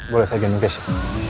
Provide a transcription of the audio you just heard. boleh saya jalanin ke keisha